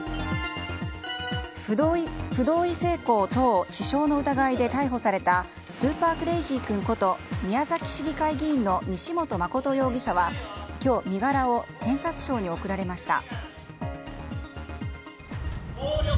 不同意性交等致傷の疑いで逮捕されたスーパークレイジー君こと宮崎市議会議員の西本誠容疑者は今日、身柄を検察庁に送られました。